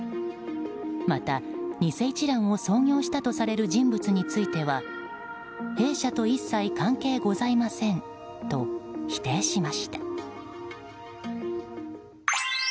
また、偽一蘭を創業したとされる人物については弊社と一切関係ございませんと否定しました。